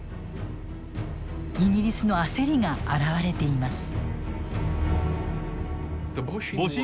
イギリスの焦りが現れています。